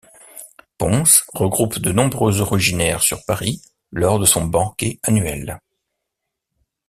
Pons regroupe de nombreux originaires sur Paris lors de son Banquet annuel.